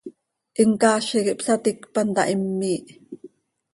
Him caazi quij ihpsaticpan taa, him miih.